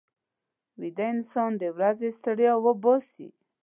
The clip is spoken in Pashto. ویده انسان د ورځې ستړیا وباسي